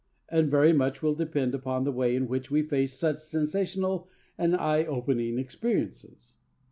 And very much will depend upon the way in which we face such sensational and eye opening experiences.